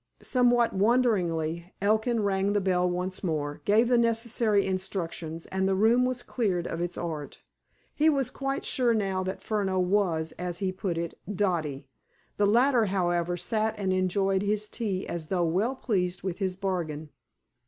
Somewhat wonderingly, Elkin rang the bell once more, gave the necessary instructions, and the room was cleared of its art. He was quite sure now that Furneaux was, as he put it, "dotty." The latter, however, sat and enjoyed his tea as though well pleased with his bargain.